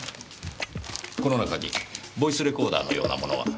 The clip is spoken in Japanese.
この中にボイスレコーダーのようなものは？